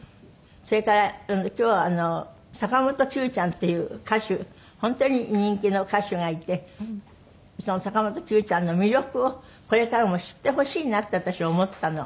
それから今日は坂本九ちゃんっていう歌手本当に人気の歌手がいてその坂本九ちゃんの魅力をこれからも知ってほしいなって私は思ったの。